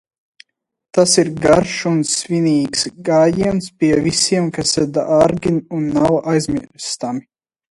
Tas ir garš un svinīgs gājiens pie visiem, kas dārgi un nav aizmirstami.